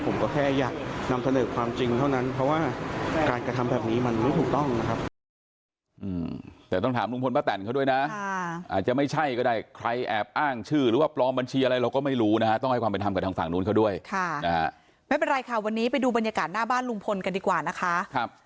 ผมก็แค่อยากนำเสนอความจริงเท่านั้นเพราะว่าการกระทำแบบนี้มันไม่ถูกต้องนะครับ